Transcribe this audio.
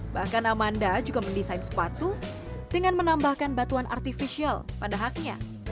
bahkan amanda juga mendesain sepatu dengan menambahkan batuan artificial pada haknya